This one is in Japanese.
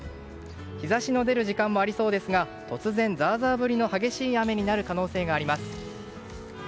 日差しの出る時間もありそうですが突然、ザーザー降りの激しい雨になる可能性があります。